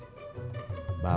bapak jangan sampai terlalu